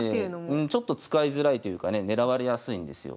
うんちょっと使いづらいというかね狙われやすいんですよ。